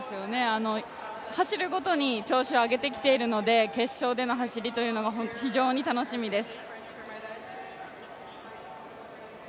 走るごとに調子を上げてきているので、決勝での走りが非常に楽しみです。